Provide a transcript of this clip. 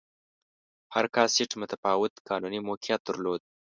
هر کاسټ متفاوت قانوني موقعیت درلود.